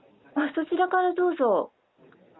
そちらからどうぞ。